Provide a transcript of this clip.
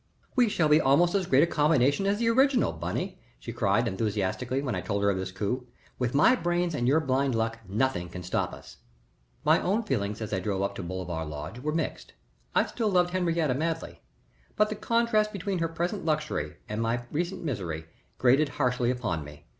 "We shall be almost as great a combination as the original Bunny," she cried, enthusiastically, when I told her of this coup. "With my brains and your blind luck nothing can stop us." My own feelings as I drove up to Bolivar Lodge were mixed. I still loved Henriette madly, but the contrast between her present luxury and my recent misery grated harshly upon me.